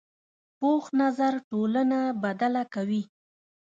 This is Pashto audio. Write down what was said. پوخ نظر ټولنه بدله کوي